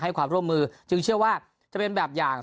ให้ความร่วมมือจึงเชื่อว่าจะเป็นแบบอย่าง